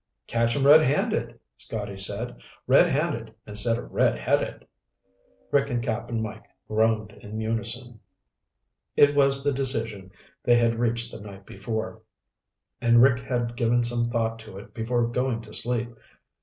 "Catch 'em red handed," Scotty said. "Red handed instead of redheaded." Rick and Cap'n Mike groaned in unison. It was the decision they had reached the night before, and Rick had given some thought to it before going to sleep.